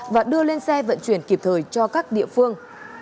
và đưa lên xe vận chuyển kịp thời cho các địa phương